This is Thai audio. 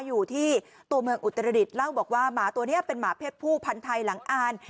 อยู่ที่ตัวเมืองอุตรดิษฐ์เล่าบอกว่าหมาตัวนี้เป็นหมาเพศผู้พันธ์ไทยหลังอ่าน